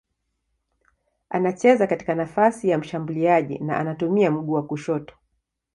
Anacheza katika nafasi ya mshambuliaji na anatumia mguu wa kushoto.